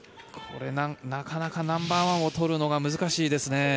なかなかナンバーワンを取るのが難しいですね。